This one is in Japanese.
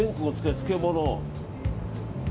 漬物。